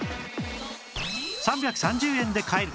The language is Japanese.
３３０円で買える！